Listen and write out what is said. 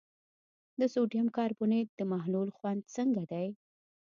د سوډیم کاربونیټ د محلول خوند څنګه دی؟